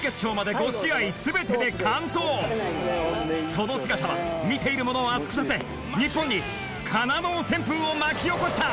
その姿は見ている者を熱くさせ日本に金農旋風を巻き起こした。